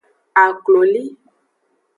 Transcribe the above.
Akloli.